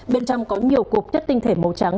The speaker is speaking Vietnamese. bên trong có nhiều cục chất tinh thể màu trắng